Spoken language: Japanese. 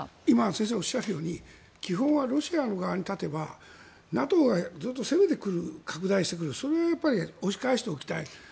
今、先生がおっしゃるように基本はロシアの側に立てばＮＡＴＯがずっと攻めてくる拡大してくるそれをやっぱり押し返しておきたい。